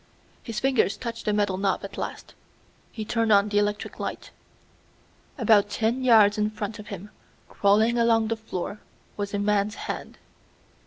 His fingers touched the metal knob at last. He turned on the electric light. About ten yards in front of him, crawling along the floor, was a man's hand.